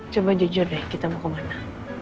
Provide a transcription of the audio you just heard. coba jujur deh kita mau kemana